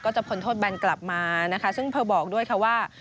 ก็จะผลโทษแบนกลับมานะคะซึ่งเพิ่มบอกด้วยค่ะว่า